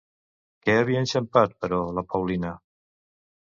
Què havia enxampat, però, la Paulina?